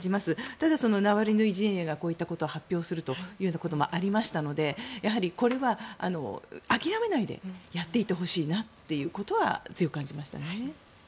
ただ、ナワリヌイ陣営がこういったことを発表することもありましたのでやはりこれは諦めないでやっていってほしいなということは強く感じましたね。